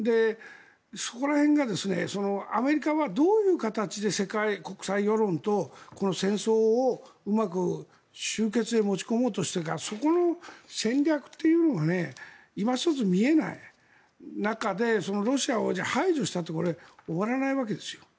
そこら辺がアメリカはどういう形で国際世論と戦争をうまく終結へ持ち込もうとしてるかそこの戦略というのがいま一つ見えない中でロシアを排除したところで終わらないわけです。